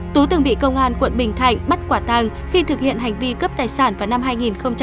tú từng bị công an quận bình thạnh bắt quả tăng khi thực hiện hành vi cấp tài sản vào năm hai nghìn một mươi ba sau đó bị kết án ba năm tù giam